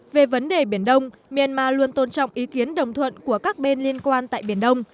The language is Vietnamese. về vấn đề biển đông myanmar luôn tôn trọng ý kiến đồng thuận của các bên liên quan tại biển đông